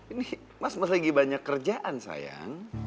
ini mas mas lagi banyak kerjaan sayang